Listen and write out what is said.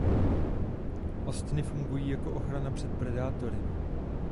Ostny fungují jako ochrana před predátory.